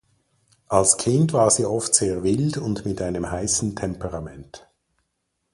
Als Kind war sie oft sehr wild und mit einem heißen Temperament.